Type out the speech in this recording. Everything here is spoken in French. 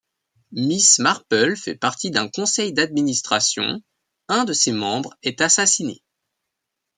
Miss Marple fait partie d'un conseil d'administration, un de ses membres est assassiné.